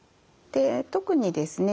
特にですね